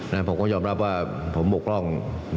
แล้วผมก็ยอมรับว่าผมบกล้อง